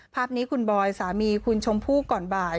ภาพนี้คุณบอยสามีคุณชมพู่ก่อนบ่าย